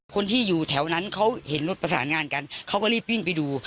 คนที่อยู่แถวนั้นเขาเห็นรถประสานงานกันเขาก็รีบวิ่งไปดู